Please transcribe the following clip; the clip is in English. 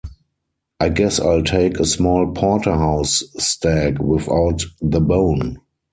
I guess I'll take a small porterhouse steak, without the bone.